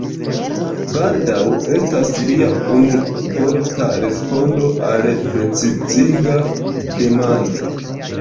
“Baldaŭ” estas lia unuvorta respondo al preciziga demando.